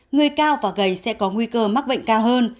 người cao và gầy sẽ có nguy cơ mắc bệnh cao hơn